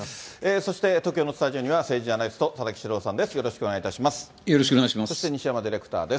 そして東京のスタジオには政治アナリスト、田崎史郎さんです。